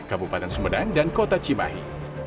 kabupaten sumedang dan kota cimahi